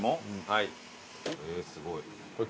はい。